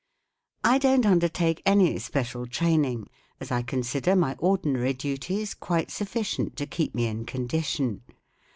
I don't under¬ take any special training* as I consider my or¬ dinary duties quite sufficient to keep me in condition.